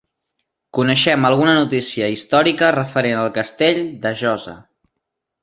Coneixem alguna notícia històrica referent al castell de Josa.